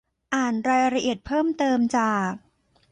อ่านรายละเอียดเพิ่มเติมจาก